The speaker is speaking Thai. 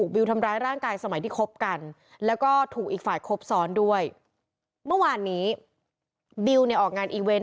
บิลในออกงานอีเวนต์